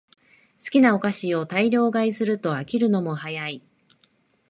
好きなお菓子を大量買いすると飽きるのも早い